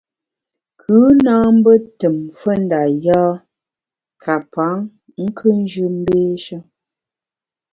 Kù na mbe tùm mfe nda yâ ka pa nkùnjù mbééshe.